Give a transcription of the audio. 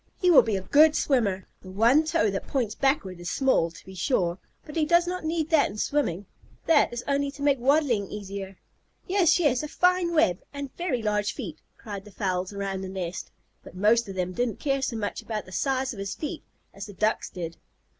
He will be a good swimmer. The one toe that points backward is small, to be sure, but he does not need that in swimming. That is only to make waddling easier." "Yes, yes," "A fine web," and "Very large feet," cried the fowls around the nest, but most of them didn't care so much about the size of his feet as the Ducks did.